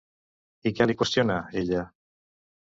I què li qüestiona, ella?